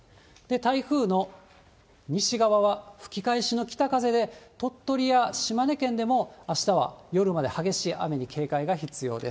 台風の西側は吹き返しの北風で、鳥取や島根県でもあしたは夜まで激しい雨に警戒が必要です。